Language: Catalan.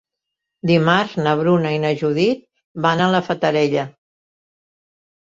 Dimarts na Bruna i na Judit van a la Fatarella.